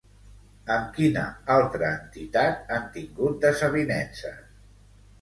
Amb quina altra entitat han tingut desavinences?